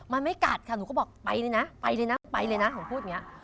มันไม่กัดค่ะหนูก็บอกไปเลยนะไปเลยนะไปเลยนะหนูพูดอย่างนี้